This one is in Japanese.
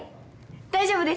大丈夫です。